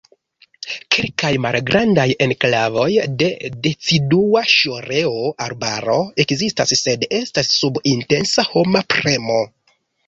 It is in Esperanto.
Kelkaj malgrandaj enklavoj de decidua ŝoreo-arbaro ekzistas, sed estas sub intensa homa premo.